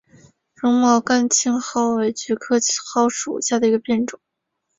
绒毛甘青蒿为菊科蒿属下的一个变种。